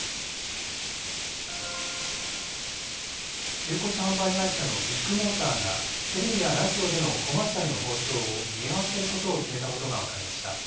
中古車販売会社のビッグモーターが、テレビやラジオでのコマーシャルの放送を見合わせることを決めたことが分かりました。